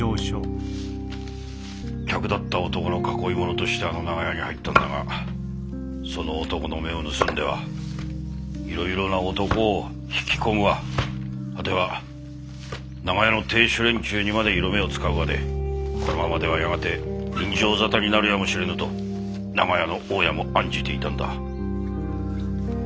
客だった男の囲い者としてあの長屋に入ったんだがその男の目を盗んではいろいろな男を引き込むわ果ては長屋の亭主連中にまで色目を使うわでこのままではやがて刃傷沙汰になるやもしれぬと長屋の大家も案じていたんだ。